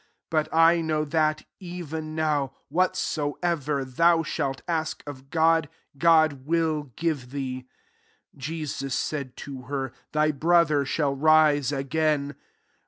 22 But I know that, even now, whatsoever thou shalt ask of God, God will give thee." 23 Jesus said to her, " Thy brother shall rise again."